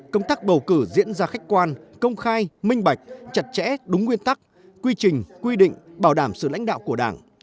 công tác bầu cử diễn ra khách quan công khai minh bạch chặt chẽ đúng nguyên tắc quy trình quy định bảo đảm sự lãnh đạo của đảng